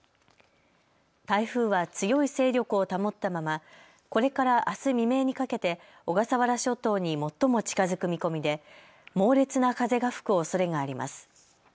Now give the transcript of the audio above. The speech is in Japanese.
台風は強い勢力を保ったままこれからあす未明にかけて小笠原諸島に最も近づく見込みで猛烈な風が吹くおそれがあります。